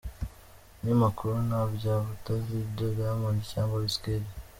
Umunyamakuru: Ntabya ba Davido, Diamond cyangwa Wizkid?.